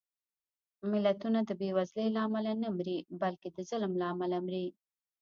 ملتونه د بېوزلۍ له امله نه مري، بلکې د ظلم له امله مري